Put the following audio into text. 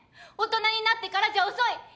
大人になってからじゃ遅い。